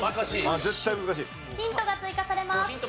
ヒントが追加されます。